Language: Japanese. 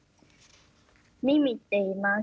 みみっていいます。